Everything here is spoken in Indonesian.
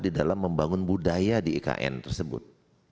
di dalam membangun budaya di ikn tersebut